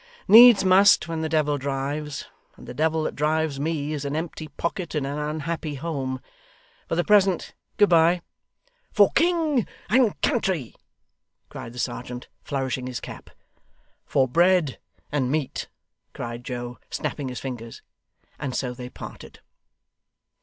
Needs must when the devil drives; and the devil that drives me is an empty pocket and an unhappy home. For the present, good bye.' 'For king and country!' cried the serjeant, flourishing his cap. 'For bread and meat!' cried Joe, snapping his fingers. And so they parted.